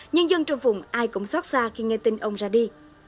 nhân dân trong vùng ai cũng xót xa khi nghe tin ông ra đi